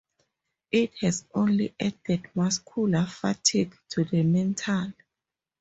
It has only added muscular fatigue to the mental.